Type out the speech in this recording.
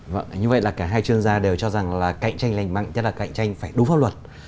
vâng như vậy là cả hai chuyên gia đều cho rằng là cạnh tranh lành mạnh tức là cạnh tranh phải đúng pháp luật